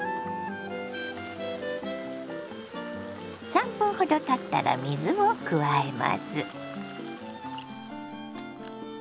３分ほどたったら水を加えます。